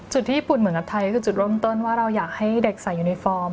ที่ญี่ปุ่นเหมือนกับไทยคือจุดเริ่มต้นว่าเราอยากให้เด็กใส่ยูนิฟอร์ม